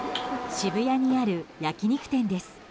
渋谷にある焼き肉店です。